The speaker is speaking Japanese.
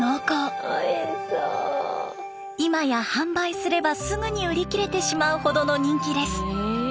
今や販売すればすぐに売り切れてしまうほどの人気です。